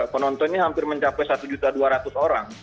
penontonnya hampir mencapai satu dua ratus orang